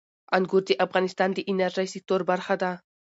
انګور د افغانستان د انرژۍ سکتور برخه ده.